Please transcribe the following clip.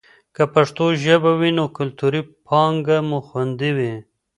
که پښتو ژبه وي نو کلتوري پانګه مو خوندي وي.